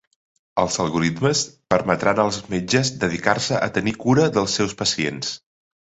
Els algoritmes permetran als metges dedicar-se a tenir cura dels seus pacients.